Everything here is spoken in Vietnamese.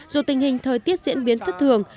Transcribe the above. dù tình hình thời tiết diễn biến thất thường